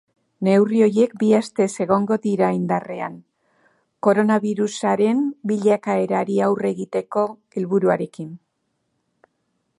Neurri horiek bi astez egongo dira indarrean, koronabirusaren bilakaerari aurre egiteko helburuarekin.